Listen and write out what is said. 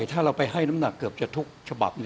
ถ้าเราไปให้น้ำหนักเกือบจะทุกฉบับ